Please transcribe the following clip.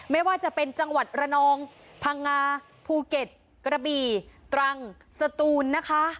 ไม่ว่าจะเป็นจังหวัดระนองพังงาภูเก็ตกระบี่ตรังสตูนนะคะ